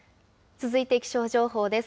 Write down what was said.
続いて気象情報です。